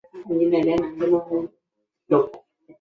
胜枝背焦贝为宝贝科背焦贝属的动物。